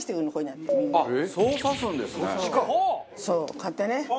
こうやってね。